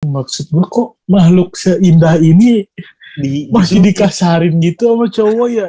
maksud gue kok mahluk seindah ini masih dikasarin gitu sama cowok ya